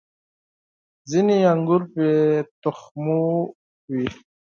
• ځینې انګور بې تخمونو وي.